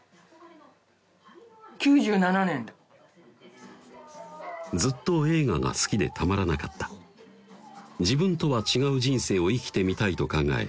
９７年だずっと映画が好きでたまらなかった自分とは違う人生を生きてみたいと考え